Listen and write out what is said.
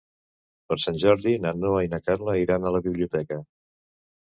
Per Sant Jordi na Noa i na Carla iran a la biblioteca.